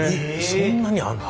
そんなにあるの。